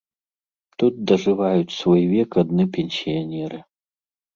Тут дажываюць свой век адны пенсіянеры.